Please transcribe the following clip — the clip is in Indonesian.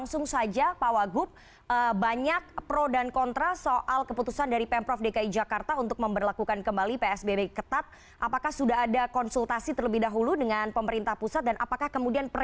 selamat malam pak wagup